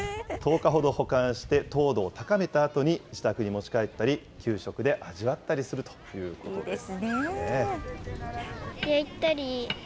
１０日ほど保管して、糖度を高めたあとに、自宅に持ち帰ったり、給食で味わったりするということです。